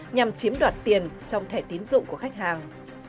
nhằm chiếm đoạt tiền trong thẻ tiến dụng của khách hàng